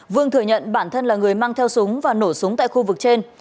vương thừa nhận bản thân là người mang theo súng và nổ súng tại khu vực trên